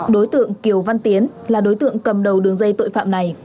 đối tượng kiều văn tiến là đối tượng cầm đầu đường dây tội phạm này